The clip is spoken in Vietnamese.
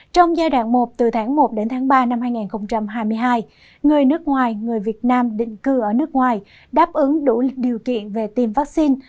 trong giai đoạn một từ tháng một đến tháng ba năm hai nghìn hai mươi hai người nước ngoài người việt nam định cư ở nước ngoài đáp ứng đủ điều kiện về tiêm vaccine